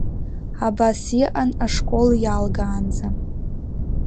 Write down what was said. Абас иҟан ашкол иалгаанӡа.